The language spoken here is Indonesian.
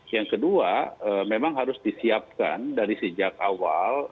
yang kedua memang harus disiapkan dari sejak awal